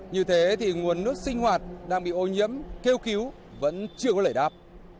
như thế thì nguồn nước sinh hoạt đang bị ô nhiễm kêu cứu vẫn chưa có lễ đáp